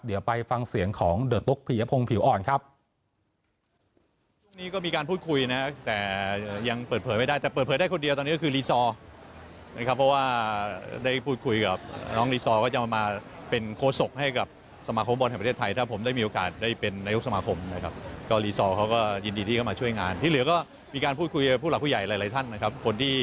เดี๋ยวไปฟังเสียงของเดอะตุ๊กพิยพงศ์ผิวอ่อนครับ